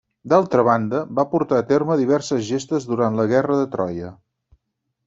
D'altra banda, va portar a terme diverses gestes durant la guerra de Troia.